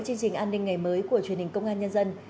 chương trình an ninh ngày mới của truyền hình công an nhân dân